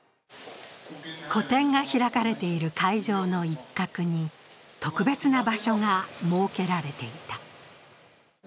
個展が開かれている会場の一角に特別な場所が設けられていた。